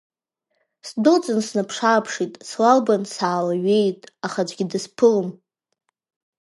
Сдәылҵын снаԥшы-ааԥшит, слалбаан саалеиҩеит, аха аӡәгьы дысԥылом.